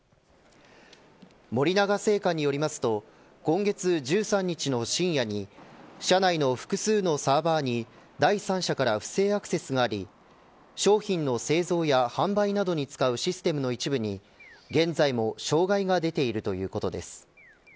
森永製菓によりますと今月１３日の深夜に社内の複数のサーバーに第三者から不正アクセスがあり商品の製造や販売などに使うシステムの一部に現在も障害が出ているということです。